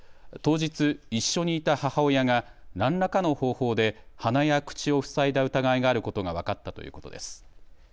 当日、一緒にいた母親が何らかの方法で鼻や口を塞いだ疑いがあることが分かったということです。